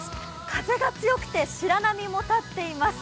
風が強くて、白波も立っています。